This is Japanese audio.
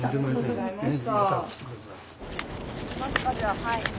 はい。